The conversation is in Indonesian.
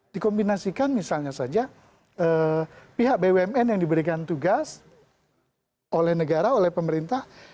dikombinasikan misalnya saja pihak bumn yang diberikan tugas oleh negara oleh pemerintah